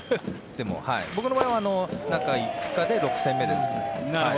僕の場合は中５日で６戦目です。